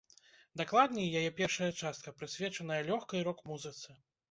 Дакладней, яе першая частка, прысвечаная лёгкай рок-музыцы.